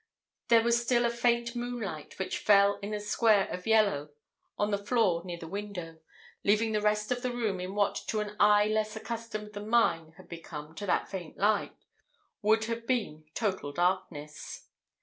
There was still a faint moonlight, which fell in a square of yellow on the floor near the window, leaving the rest of the room in what to an eye less accustomed than mine had become to that faint light would have been total darkness.